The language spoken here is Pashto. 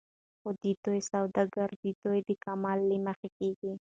خو د دوى سوداګري د دوى د کمال له مخې کېږي